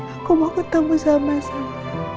aku mau ketemu sama saya